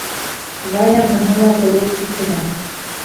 Валя быны ла ғорур кисерә.